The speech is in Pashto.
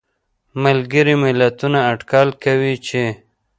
ملګري ملتونه اټکل کوي چې